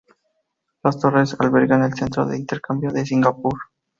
Las torres albergan el Centro de Intercambio de Singapur.